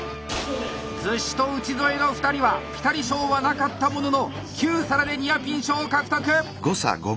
厨子と内添の２人はピタリ賞はなかったものの９皿でニアピン賞を獲得！